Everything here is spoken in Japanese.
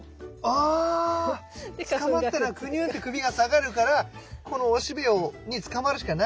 あつかまったらクニュッて首が下がるからこのおしべにつかまるしかない。